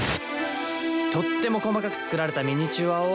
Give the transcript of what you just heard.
とっても細かく作られたミニチュアを。